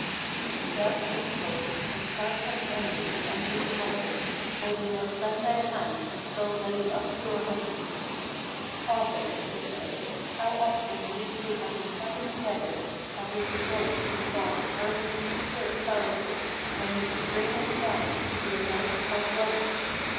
Thus he spoke; and scarce had he ended when entered the mother, Holding her son by the hand, and so led him up to her husband. "Father," she said, "how oft when we two have been chatting together, Have we rejoiced in the thought of Hermann's future espousal, When he should bring his bride to be the light of our dwelling!